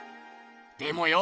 でもよ